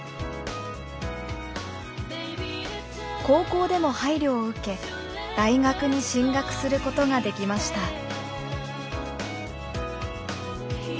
高校でも配慮を受け大学に進学することができました。